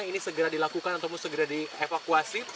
ini segera dilakukan ataupun segera dievakuasi